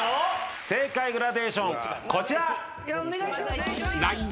正解グラデーションこちら！